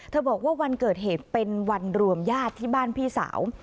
บอกว่าวันเกิดเหตุเป็นวันรวมญาติที่บ้านพี่สาว